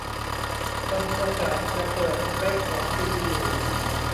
ซันประกาศจะเปิดสเปคของซีพียู